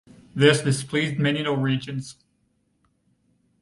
This displeased many Norwegians.